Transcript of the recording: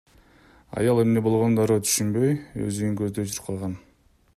Аял эмне болгонун дароо түшүнбөй, өз үйүн көздөй чуркаган.